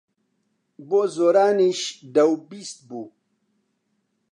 بۆ زۆرانیش دە و بیست بوو.